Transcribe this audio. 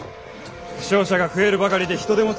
負傷者が増えるばかりで人手も足りぬのだ。